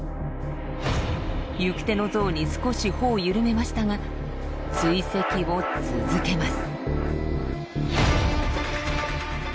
行く手のゾウに少し歩を緩めましたが追跡を続けます。